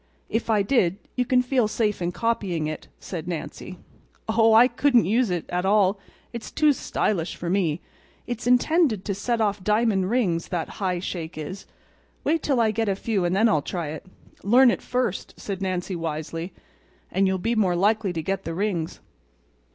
"If I did, you can feel safe in copying it," said Nancy. "Oh, I couldn't use it, at all. It's too stylish for me. It's intended to set off diamond rings, that high shake is. Wait till I get a few and then I'll try it." "Learn it first," said Nancy wisely, "and you'll be more likely to get the rings."